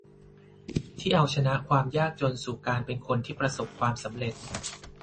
ที่เอาชนะความยากจนสู่การเป็นคนที่ประสบความสำเร็จ